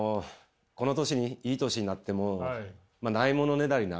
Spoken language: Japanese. この年にいい年になっても無いものねだりな。